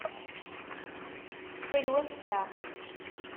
Ttxil-wet s leɛqel.